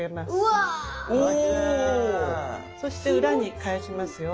そして裏に返しますよ。